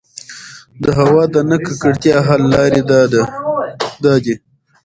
د هـوا د نـه ککـړتيا حـل لـارې دا دي: